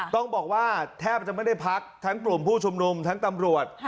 ต้องบอกว่าแทบจะไม่ได้พักทั้งกลุ่มผู้ชุมนุมทั้งตำรวจ